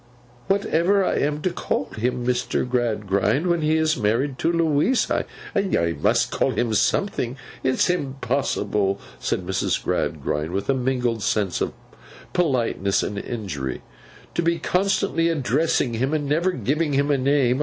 'Whatever I am to call him, Mr. Gradgrind, when he is married to Louisa! I must call him something. It's impossible,' said Mrs. Gradgrind, with a mingled sense of politeness and injury, 'to be constantly addressing him and never giving him a name.